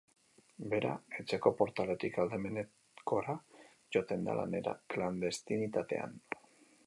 Bera, etxeko portaletik aldamenekora joaten da lanera, klandestinidadean.